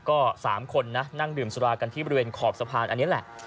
ก็๓คนนะนั่งดื่มสุรากันที่บริเวณขอบสะพานอันนี้แหละ